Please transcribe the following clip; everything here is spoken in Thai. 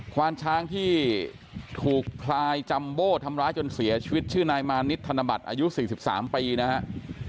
ควานช้างที่ถูกพลายจัมโบ้ทำร้ายจนเสียชีวิตชื่อนายมานิดธนบัตรอายุ๔๓ปีนะครับ